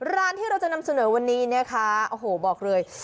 ร้านที่เราจะนำเสนอวันนี้นะคะโอ้โหบอกเลย